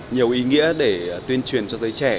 nhiều ý nghĩa để tuyên truyền cho giới trẻ